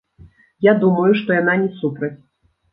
Я думаю, што яна не супраць.